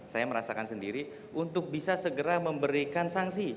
saya merasakan sendiri untuk bisa segera memberikan sanksi